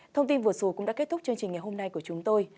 thông tin vừa rồi cũng đã kết thúc chương trình ngày hôm nay của chúng tôi